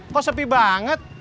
kok sepi banget